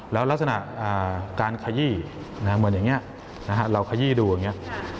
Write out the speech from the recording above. แล้วลักษณะการขยี้เหมือนอย่างนี้เราขยี้ดูอย่างนี้